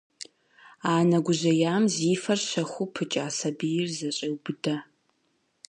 Анэ гужьеям зи фэр шэхуу пыкӏа сабийр зэщӏеубыдэ.